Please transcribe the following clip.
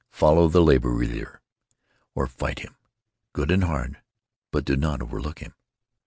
Follow the labor leader. Or fight him, good and hard. But do not overlook him.